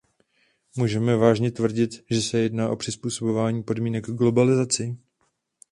Můžeme vážně tvrdit, že se jedná o přizpůsobování podmínek globalizaci?